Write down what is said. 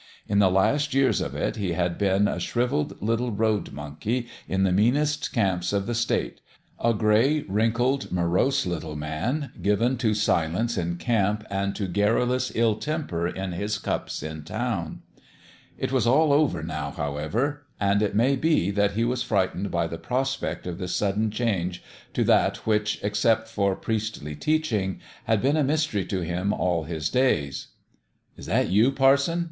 In the last years of it he had been a shrivelled little road monkey in the meanest camps of the state a gray, wrinkled, morose little man, given to silence in camp and to garrulous ill temper in his cups in town. It was all over, now, how ever ; and it may be that he was frightened by the prospect of this sudden change to that which, except for priestly teaching, had been a mystery to him all his days. " Is that you, parson ?